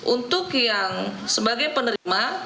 untuk yang sebagai penerima